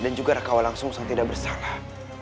dan juga rekawal langsung tidak bersalah